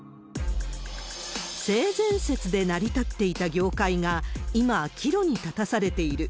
性善説で成り立っていた業界が今、岐路に立たされている。